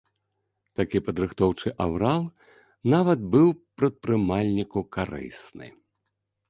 Такі падрыхтоўчы аўрал нават быў прадпрымальніку карысны.